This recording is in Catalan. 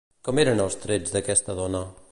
Com eren els trets d'aquesta dona?